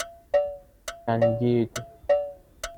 جنگید